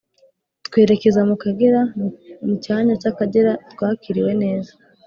twerekeza mu Kagera. Mu cyanya cy’Akagera, twakiriwe neza